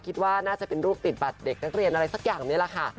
คิดว่าน่าจะเป็นรูปติดบัตรเด็กนักเรียนอะไรสักอย่างนี้แหละค่ะ